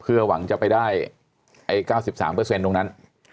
เพื่อหวังจะไปได้๙๓ตรงนั้น